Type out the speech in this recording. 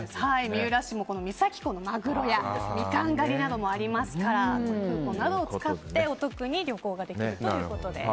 三浦市も三崎港のマグロやミカン狩りなどもありますからクーポンなどを使ってお得に旅行ができるということです。